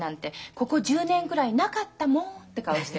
ここ１０年ぐらいなかったもんって顔してる。